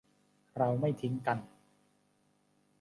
เราไม่ทิ้งกัน